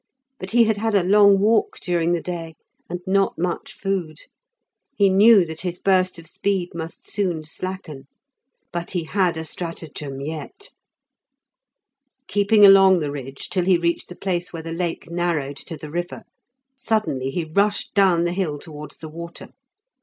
But he had had a long walk during the day and not much food. He knew that his burst of speed must soon slacken, but he had a stratagem yet. Keeping along the ridge till he reached the place where the lake narrowed to the river, suddenly he rushed down the hill towards the water.